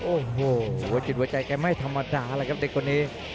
โอ้โหจิตหัวใจแกไม่ธรรมดาอะไรครับเด็กกว่านี้